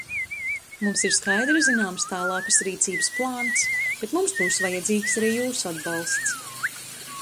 Mums ir skaidri zināms tālākas rīcības plāns, bet mums būs vajadzīgs arī jūsu atbalsts.